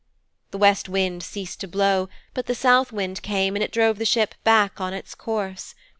'The West Wind ceased to blow but the South Wind came and it drove the ship back on its course.